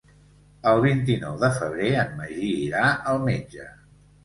El vint-i-nou de febrer en Magí irà al metge.